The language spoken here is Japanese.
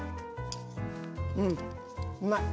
うんうまい！